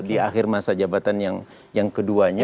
di akhir masa jabatan yang keduanya